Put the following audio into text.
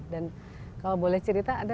dan kalau boleh cerita ada